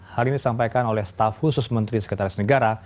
hal ini disampaikan oleh staf khusus menteri sekretaris negara